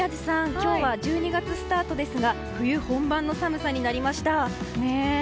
今日は１２月スタートですが冬本番の寒さになりました。